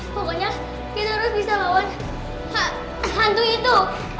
pokoknya kita harus bisa lawan hantu itu